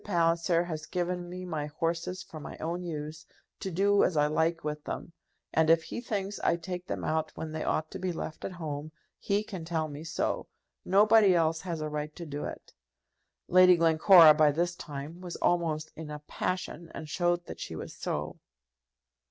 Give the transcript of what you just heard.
Palliser has given me my horses for my own use, to do as I like with them; and if he thinks I take them out when they ought to be left at home, he can tell me so. Nobody else has a right to do it." Lady Glencora, by this time, was almost in a passion, and showed that she was so.